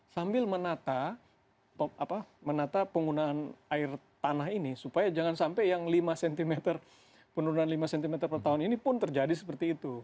sambil menata penggunaan air tanah ini supaya jangan sampai yang lima cm penurunan lima cm per tahun ini pun terjadi seperti itu